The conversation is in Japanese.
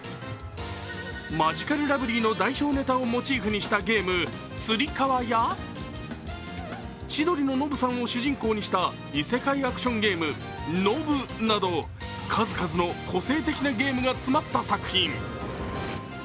マヂカルラブリーの代表ネタをモチーフにしたゲーム、「つり革」や千鳥のノブさんを主人公にした異世界アクションゲーム、「信ＮＯＢＵ」など数々の個性的なゲームが詰まった作品。